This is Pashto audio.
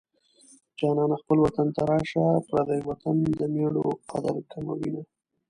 جانانه خپل وطن ته راشه پردی وطن د مېړو قدر کموينه